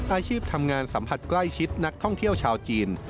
อาชีพทำงานสัมผัสใกล้ชิดนักท่องเที่ยวชาวจีน